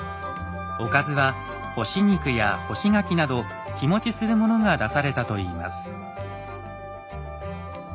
おかずは干し肉や干し柿など日もちするものが出されたといいます。